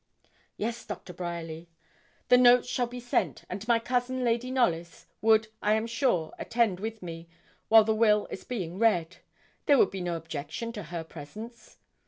'Yes, Dr. Bryerly, the notes shall be sent, and my cousin, Lady Knollys, would I am sure attend with me while the will is being read there would be no objection to her presence?'